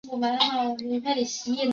南传佛教称此为第四次结集。